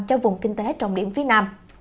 cho vùng kinh tế trọng điểm phía nam